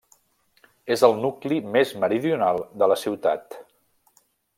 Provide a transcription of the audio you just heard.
És el nucli més meridional de la ciutat.